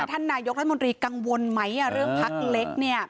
ท่านนายกรัฐมนตรีกังวลไหมเรื่องพักเล็ก